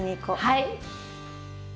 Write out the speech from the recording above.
はい。